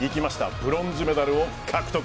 ブロンズメダルを獲得。